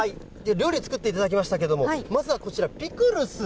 料理作っていただきましたけれども、まずはこちら、ピクルス。